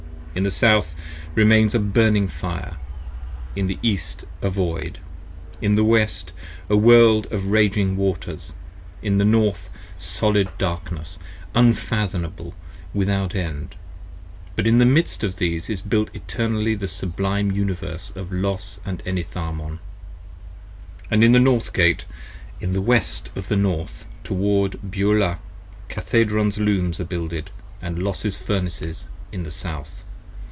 In the South remains a burning Fire: in the East, a Void: In the West, a World of raging Waters: in the North, solid Darkness 20 Unfathomable without end; but in the midst of these Is Built eternally the sublime Universe of Los & Enitharmon. And in the North Gate, in the West of the North, toward Beulah, Cathedron's Looms are builded, and Los's Furnaces in the South.